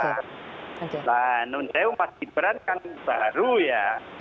nah nundeo mas gibran kan baru ya